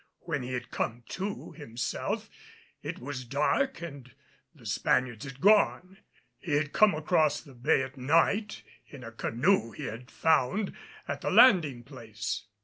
When he had come to himself it was dark, and the Spaniards had gone. He had come across the bay at night in a canoe he found at the landing place.